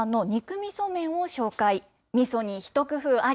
みそにひと工夫あり。